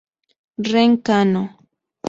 Ren Kano